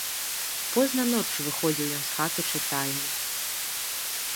Позна ноччу выходзіў ён з хаты-чытальні.